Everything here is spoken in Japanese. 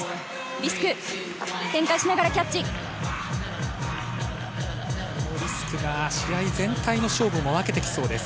リスクが試合全体の勝負を分けてきそうです。